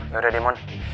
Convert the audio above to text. ya udah deh mon